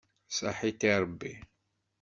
Ṣaḥit i Ṛebbi.